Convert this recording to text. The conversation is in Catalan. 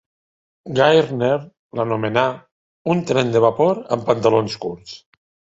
Gairdner l'anomenà 'un tren de vapor amb pantalons curts'.